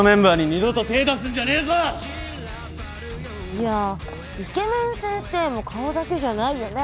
いやイケメン先生も顔だけじゃないよね。